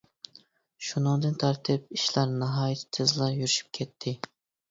شۇنىڭدىن تارتىپ ئىشلار ناھايىتى تېزلا يۈرۈشۈپ كەتتى.